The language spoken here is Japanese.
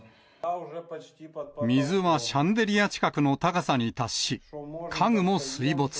水はシャンデリア近くの高さに達し、家具も水没。